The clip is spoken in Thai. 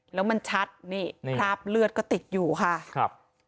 แล้วมันชัดนี่คราบเลือดก็ติดอยู่ค่ะครับ